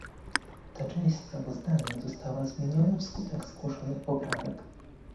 Ta część sprawozdania została zmieniona wskutek zgłoszonych poprawek